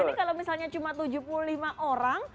nah ini kalau misalnya cuma tujuh puluh lima orang